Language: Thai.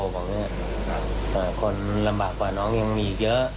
บอกว่าคนลำบากกว่าน้องยังมีอีกเยอะ